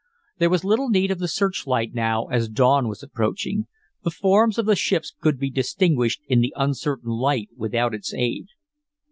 There was little need of the searchlight now, as dawn was approaching. The forms of the ships could be distinguished in the uncertain light without its aid.